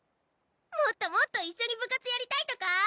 もっともっと一緒に部活やりたいとか？